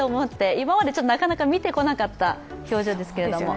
今までなかなか見てこなかった表情ですけども。